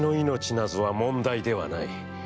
なぞは、問題ではない。